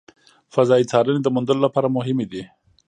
فضایي څارنې د موندلو لپاره مهمې دي.